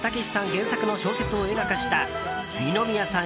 原作の小説を映画化した二宮さん